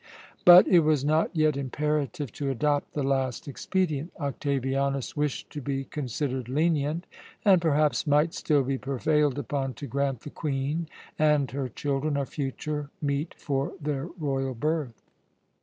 But it was not yet imperative to adopt the last expedient. Octavianus wished to be considered lenient, and perhaps might still be prevailed upon to grant the Queen and her children a future meet for their royal birth.